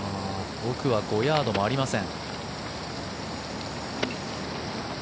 奥は５ヤードもありません。